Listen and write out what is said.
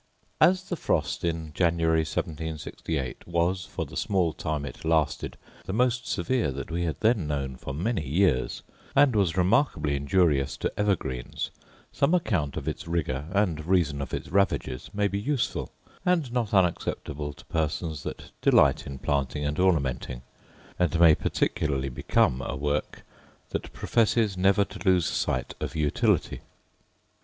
As the frost in January 1768 was, for the small it lasted, the most severe that we had then known for many years, and was remarkably injurious to evergreens, some account of its rigour, and reason of its ravages, may be useful, and not unacceptable to persons that delight in planting and ornamenting; and may particularly become a work that professes never to lose sight of utility.